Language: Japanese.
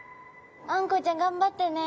あんこうちゃんがんばってね。